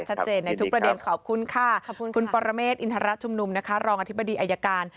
ชัดเจนในทุกประเด็นขอบคุณค่ะขอบคุณคุณปรเมฆอินทรชุมนุมนะคะรองอธิบดีอายการ